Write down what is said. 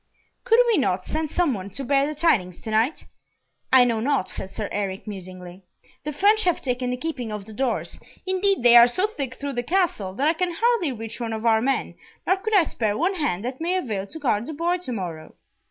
"Could we not send some one to bear the tidings to night?" "I know not," said Sir Eric, musingly. "The French have taken the keeping of the doors; indeed they are so thick through the Castle that I can hardly reach one of our men, nor could I spare one hand that may avail to guard the boy to morrow."